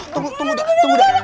tunggu dulu tunggu